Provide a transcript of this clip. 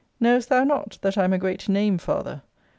Knowest thou not, that I am a great name father?